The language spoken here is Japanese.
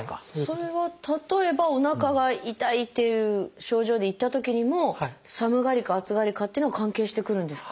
それは例えばおなかが痛いっていう症状で行ったときにも寒がりか暑がりかっていうのが関係してくるんですか？